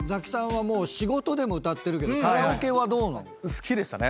好きでしたね。